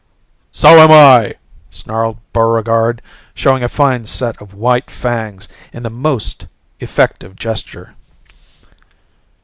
"So am I!" snarled Buregarde showing a fine set of white fangs in the most effective gesture.